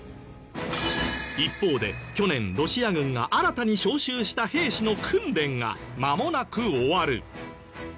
一方で去年ロシア軍が新たに招集した兵士の訓練がまもなく終わる。